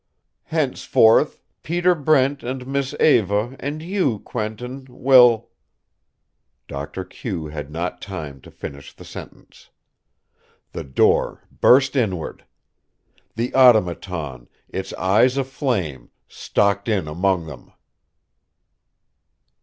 Henceforth Peter Brent and Miss Eva and you, Quentin will " Doctor Q had not time to finish the sentence. The door burst inward. The Automaton, its eyes aflame, stalked in among them!